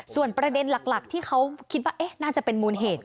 ส่วนประเด็นหลักที่เขาคิดว่าน่าจะเป็นมูลเหตุ